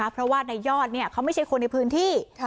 เพราะว่าในยอดเขาไม่ใช่คนในพื้นที่